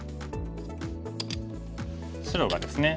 白がですね